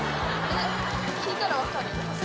・聴いたら分かる？